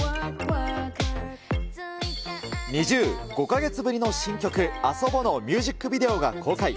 ＮｉｚｉＵ、５か月ぶりの新曲、ＡＳＯＢＯのミュージックビデオが公開。